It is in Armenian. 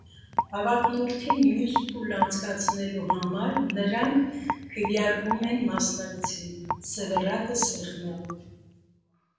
Հավակնորդին մյուս փուլ անցկացնելու համար նրանք քվեարկում են մասնակցին՝ սևեռակը սեղմելով։